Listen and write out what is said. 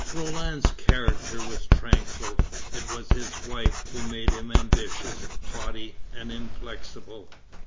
Roland's character was tranquil; it was his wife who made him ambitious, haughty, and inflexible.